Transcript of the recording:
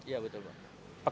iya betul pak